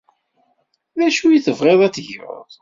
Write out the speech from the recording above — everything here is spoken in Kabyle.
D acu i tebɣiḍ ad tgeḍ?